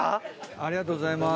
ありがとうございます。